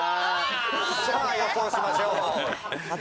さあ予想しましょう。